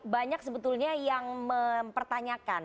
banyak sebetulnya yang mempertanyakan